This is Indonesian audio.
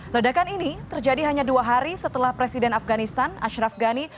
ledakan ini terjadi hanya dua hari setelah presiden afganistan ashraf ghani